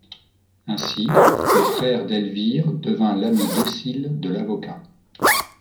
Ainsi, le frère d'Elvire devint l'ami docile de l'avocat.